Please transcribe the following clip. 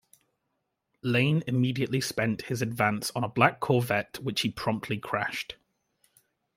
Lane immediately spent his advance on a black Corvette which he promptly crashed.